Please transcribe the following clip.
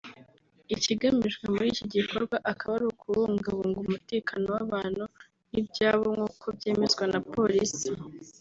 Ikigamijwe muri iki gikorwa akaba ari ukubungabunga umutekano w’abantu n’ibyabo nk’uko byemezwa na polisi